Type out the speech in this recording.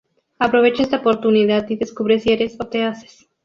Aprovecha esta oportunidad y descubre si eres... o te haces.